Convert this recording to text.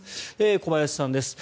小林さんです。